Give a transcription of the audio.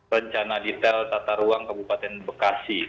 rencana detail tata ruang kabupaten bekasi